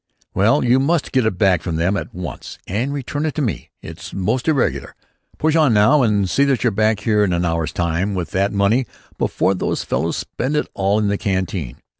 "Well, you must get it back from them at once and return it to me. It's most irregular. Push on now and see that you're back here in an hour's time with that money before those fellows spend it all in the canteen."